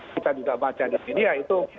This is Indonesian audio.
kita juga baca di media itu